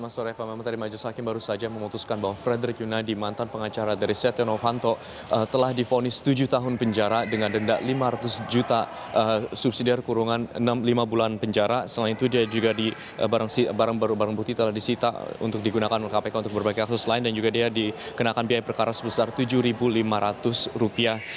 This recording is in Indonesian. setelah lima bulan penjara setelah itu dia juga di barang barang bukti telah disita untuk digunakan oleh kpk untuk berbagai kasus lain dan juga dia dikenakan biaya perkara sebesar rp tujuh lima ratus